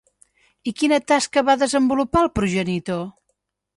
I quina tasca va desenvolupar el progenitor?